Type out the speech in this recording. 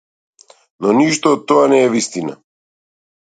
Но ништо од тоа не е вистина.